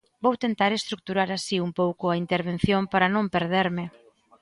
Vou tentar estruturar así un pouco a intervención para non perderme.